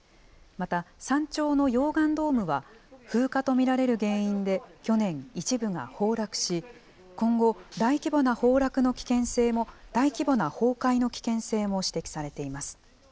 また、山頂の溶岩ドームは、風化と見られる原因で去年、一部が崩落し、今後、大規模な崩壊の危険性も指摘されています。